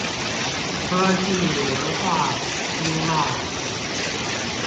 科技、文化與經貿